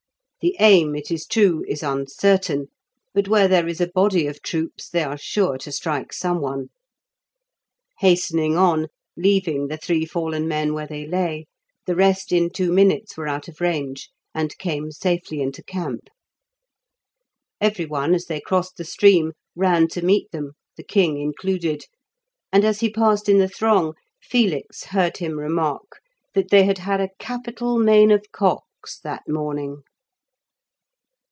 The aim, it is true, is uncertain, but where there is a body of troops they are sure to strike some one. Hastening on, leaving the three fallen men where they lay, the rest in two minutes were out of range, and came safely into camp. Everyone, as they crossed the stream, ran to meet them, the king included, and as he passed in the throng, Felix heard him remark that they had had a capital main of cocks that morning.